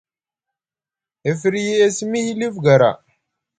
E firyi e simi hilif gara.